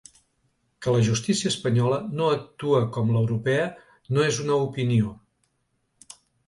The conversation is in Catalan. Que la justícia espanyola no actua com l’europea no és una opinió.